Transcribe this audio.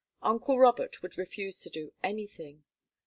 Uncle Robert would refuse to do anything.